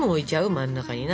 真ん中にな。